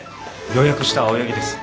予約した青柳です。